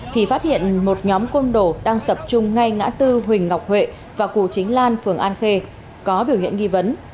thì phát hiện một nhóm công đổ đang tập trung ngay ngã tư huỳnh ngọc huệ và cụ chính lan phường an khê có biểu hiện nghi vấn